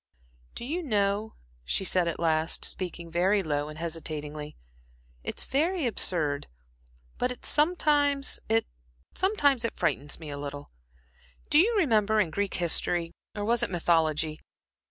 "Do you know," she said at last, speaking very low and hesitatingly, "it's very absurd, but it sometimes it frightens me a little. Do you remember in Greek history or was it mythology?